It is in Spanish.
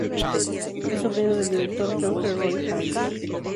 Es sobrino del director George Roy Hill.